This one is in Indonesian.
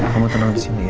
kamu tenang disini ya